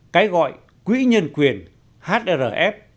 cái gọi quỹ nhân quyền hrf